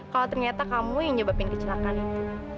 kalau ternyata kamu yang nyebabin kecelakaan itu